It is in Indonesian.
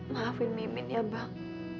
maafin mimin ya bang